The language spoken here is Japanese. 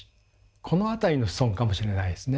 この辺りの子孫かもしれないですね。